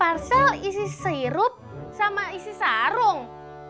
parsel isi sirup sama isi sarung